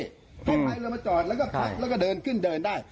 ให้ไฟลงมาจอดแล้วก็ผลักแล้วก็เดินขึ้นเดินได้